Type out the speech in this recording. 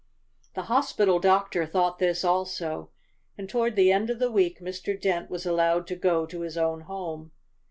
The hospital doctor thought this also, and toward the end of the week Mr. Dent was allowed to go to his own home.